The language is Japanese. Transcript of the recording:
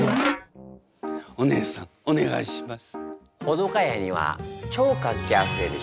お姉さんお願いします。